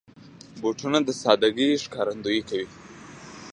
بوټونه د سادګۍ ښکارندويي کوي.